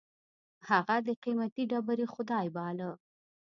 هغه د قېمتي ډبرې خدای باله.